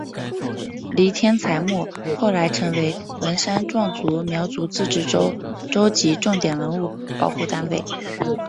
黎天才墓后来成为文山壮族苗族自治州州级重点文物保护单位。